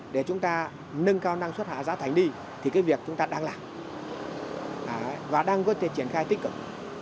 để chúng ta nâng cao năng suất hạ giá thành đi thì cái việc chúng ta đang làm và đang có thể triển khai tích cực